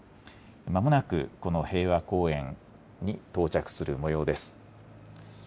まもなくこの平和公園に到着するもようです。